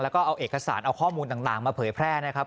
แล้วก็เอาเอกสารเอาข้อมูลต่างมาเผยแพร่นะครับ